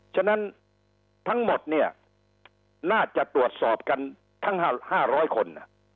ฉะนั้นทั้งหมดเนี่ยน่าจะตรวจสอบกันทั้ง๕๐๐คน